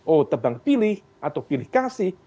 oh tebang pilih atau pilih kasih